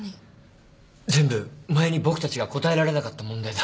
全部前に僕たちが答えられなかった問題だ。